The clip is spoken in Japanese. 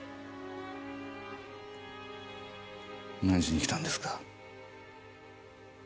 何しに来たんですか。